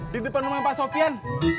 di depan rumah pak sofian